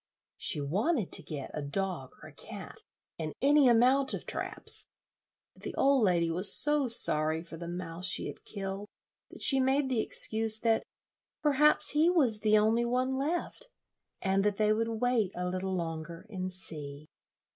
She wanted to get a dog or a cat, and any amount of traps; but the old lady was so sorry for the mouse she had killed that she made the excuse that perhaps he was the only one left, and that they would wait a little longer and see.